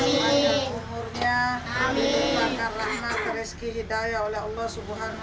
semuanya umurnya hidup bakar rana tereski hidayah oleh allah swt